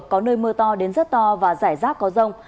có nơi mưa to đến rất to và rải rác có rông